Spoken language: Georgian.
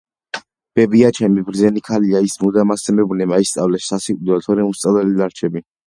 ბებიაჩემი ბრძენი ქალია, ის მუდამ ასე მეუბნება-ისწავლე შე სასიკვდილე თორემ უსწავლელი დარჩები